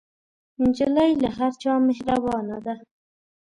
نجلۍ له هر چا مهربانه ده.